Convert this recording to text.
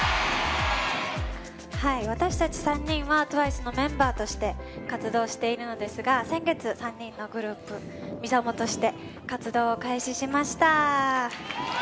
私たち３人はＴＷＩＣＥのメンバーとして活動してるんですが先月、３人のグループＭＩＳＡＭＯとして活動を開始しました。